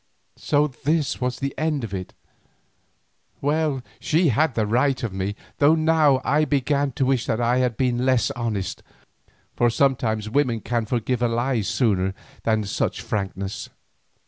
So this was the end of it. Well, she had the right of me, though now I began to wish that I had been less honest, for sometimes women can forgive a lie sooner than such frankness.